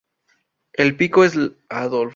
El pico es largo y recto.